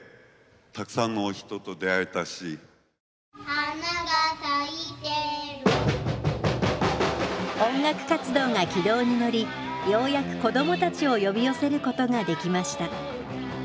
花が咲いてる音楽活動が軌道に乗りようやく子供たちを呼び寄せることができました。